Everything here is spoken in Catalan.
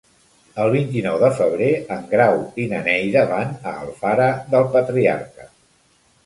El vint-i-nou de febrer en Grau i na Neida van a Alfara del Patriarca.